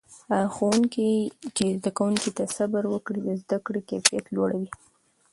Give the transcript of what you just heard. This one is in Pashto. هغه ښوونکي چې زده کوونکو ته صبر وکړي، د زده کړې کیفیت لوړوي.